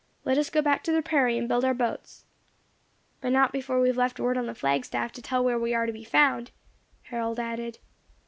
Let us go back to the prairie, and build our boats." "But not before we have left word on the flag staff to tell where we are to be found," Harold added.